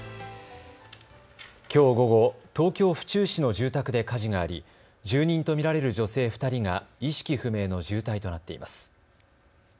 きょう午後、東京府中市の住宅で火事があり住人と見られる女性２人が意識不明の重体となっています。